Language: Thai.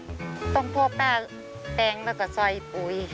ต้องพ่อแป้งแล้วก็ซ่อยปุ๋ย